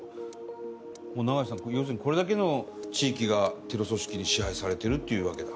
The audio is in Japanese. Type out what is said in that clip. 永井さん要するにこれだけの地域がテロ組織に支配されてるというわけだ？